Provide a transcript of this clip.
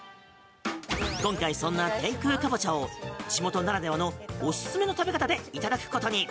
今回、そんな天空かぼちゃを地元ならではのおすすめの食べ方でいただくことに。